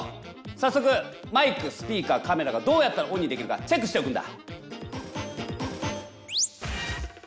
さっそくマイクスピーカーカメラがどうやったらオンにできるかチェックしておくんだ。